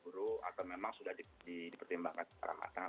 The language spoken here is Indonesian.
buru atau memang sudah di di pertimbangkan secara matang